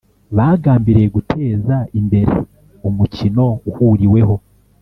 Bagambiriye guteza imbere umukino uhuriweho